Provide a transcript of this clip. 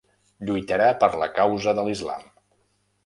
Lluitarà per la causa de l'islam.